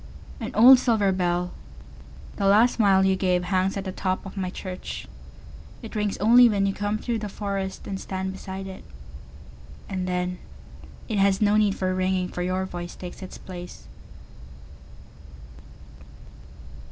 An old silver bell, the last smile you gave, Hangs at the top of my church.It rings only when you come through the forestAnd stand beside it. And then, it has no need for ringing, For your voice takes its place.